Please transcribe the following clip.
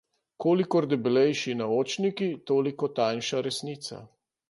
Kolikor debelejši naočniki, toliko tanjša resnica.